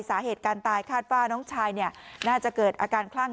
สาเหตุการตายคาดว่าน้องชายน่าจะเกิดอาการคลั่ง